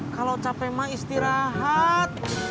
kalau capek ma istirahat